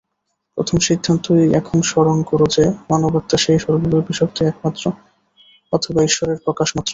প্রথম সিদ্ধান্তই এখন স্মরণ কর যে, মানবাত্মা সেই সর্বব্যাপী শক্তি অথবা ঈশ্বরের প্রকাশমাত্র।